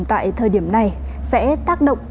tại thời điểm này sẽ tác động